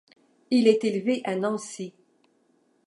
Il est élevé à Nancy.